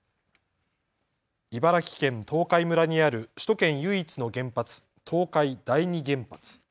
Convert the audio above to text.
茨城県東海村にある首都圏唯一の原発、東海第二原発。